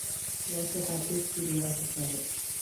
He also had his studio at the site.